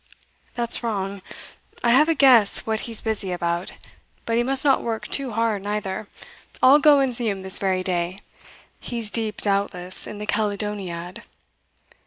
"That's wrong I have a guess what he's busy about; but he must not work too hard neither. I'll go and see him this very day he's deep, doubtless, in the Caledoniad."